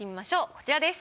こちらです。